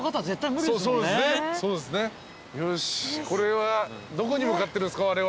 これはどこに向かってるんすか？